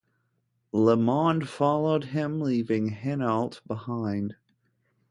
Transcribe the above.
LeMond followed him, leaving Hinault behind.